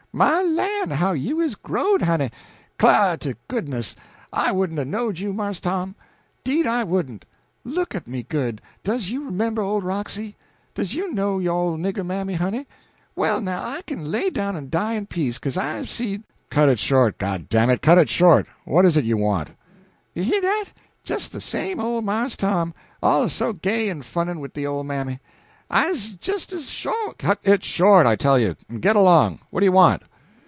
"My lan', how you is growed, honey! 'Clah to goodness, I wouldn't a knowed you, Marse Tom! 'deed I wouldn't! Look at me good; does you 'member old Roxy? does you know yo' old nigger mammy, honey? Well, now, I kin lay down en die in peace, 'ca'se I'se seed " "Cut it short, it, cut it short! What is it you want?" "You heah dat? Jes the same old Marse Tom, al'ays so gay and funnin' wid de ole mammy. I 'uz jes as shore " "Cut it short, I tell you, and get along! What do you want?"